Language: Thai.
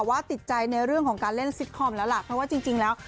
ว่าติดใจในเรื่องของการเล่นซิตคอมแล้วล่ะเพราะว่าจริงแล้ว